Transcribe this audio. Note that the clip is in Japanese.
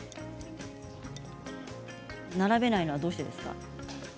並べないのはどうしてなんですか？